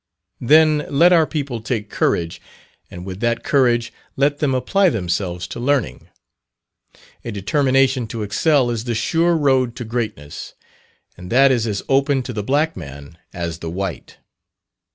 Then let our people take courage, and with that courage let them apply themselves to learning. A determination to excel is the sure road to greatness, and that is as open to the black man as the white.